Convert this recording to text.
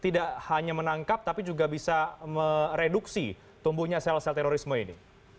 tidak hanya menangkap tapi juga bisa mereduksi tumbuhnya sel sel terorisme ini